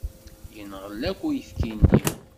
Yenɣel akk uyefki-nni.